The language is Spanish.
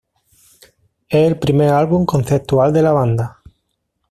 Es el primer álbum conceptual de la banda.